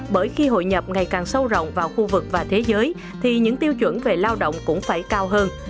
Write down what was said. bởi khi hội nhập ngày càng sâu rộng vào khu vực và thế giới thì những tiêu chuẩn về lao động cũng phải cao hơn